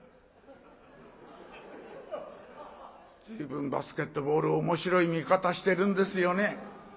随分バスケットボール面白い見方してるんですよね。